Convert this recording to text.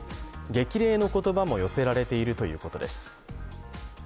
激励の言葉も寄せられているということです。